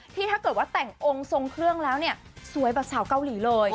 ถ้าเกิดว่าแต่งองค์ทรงเครื่องแล้วเนี่ยสวยแบบสาวเกาหลีเลย